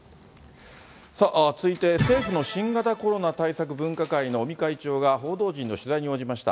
さあ、続いて政府の新型コロナ対策分科会の尾身会長が、報道陣の取材に応じました。